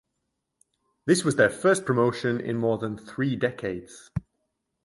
This was their first promotion in more than three decades.